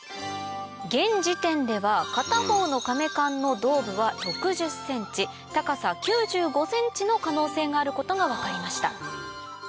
現時点では片方の甕棺の胴部は６０ｃｍ高さ９５ｃｍの可能性があることが分かりました